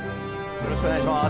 よろしくお願いします